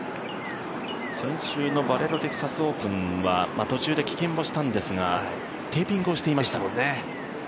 先週のバレロテキサスオープンは途中で棄権もしたんですがテーピングをしていましたもんね。